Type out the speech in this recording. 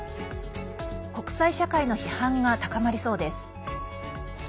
国際社会の批判が高まりそうです。